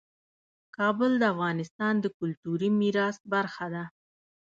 کابل د افغانستان د کلتوري میراث برخه ده.